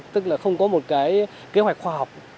tức là không có một cái kế hoạch khoa học